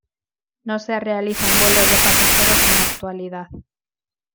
No se realizan vuelos de pasajeros en la actualidad.